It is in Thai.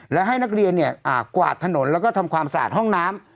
และให้นักเรียนกวาดถนนแล้วก็ทำความสะอาดห้องน้ำ